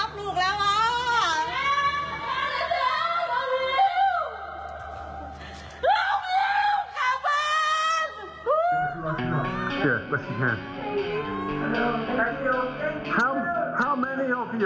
โปรดติดตามตอนต่อไป